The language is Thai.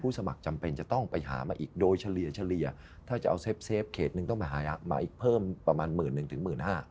สมัครจำเป็นจะต้องไปหามาอีกโดยเฉลี่ยถ้าจะเอาเซฟเขตหนึ่งต้องไปหามาอีกเพิ่มประมาณหมื่นหนึ่งถึง๑๕๐๐